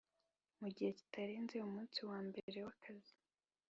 mu gihe kitarenze umunsi wa mbere w akazi